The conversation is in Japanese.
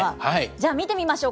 じゃあ見てみましょう。